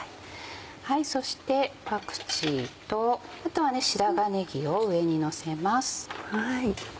そしてパクチーとあとは白髪ねぎを上にのせます。